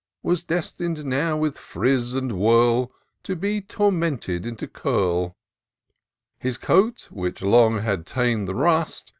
Was destin'd how, with friz and twirl. To be tormented into curl : His coat, which long had ta'en the rust.